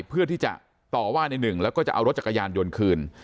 เพื่อที่จะต่อว่าในหนึ่งแล้วก็จะเอารถจักรยานยนต์คืน